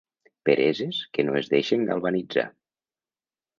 Pereses que no es deixen galvanitzar.